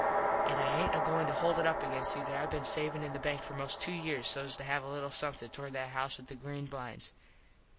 An I aint agoin to hold it up against you that I been savin in the bank for most two years sos to have a little somethin towards that house with the green blinds.